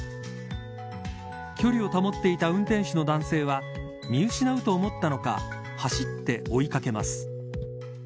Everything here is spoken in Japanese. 距離を保っていた運転手の男性は見失うと思ったのか走って追い掛けます。